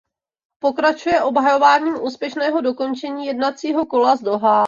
Pokračuje obhajováním úspěšného dokončení jednacího kola z Dohá.